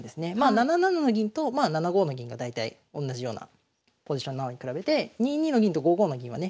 ７七の銀と７五の銀が大体おんなじようなポジションなのに比べて２二の銀と５五の銀はね